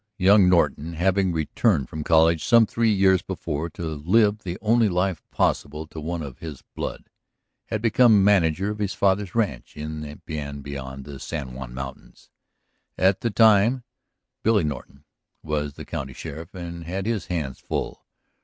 Young Norton, having returned from college some three years before to live the only life possible to one of his blood, had become manager of his father's ranch in and beyond the San Juan mountains. At the time Billy Norton was the county sheriff and had his hands full.